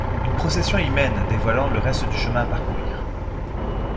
Une procession y mène, dévoilant le reste du chemin à parcourir.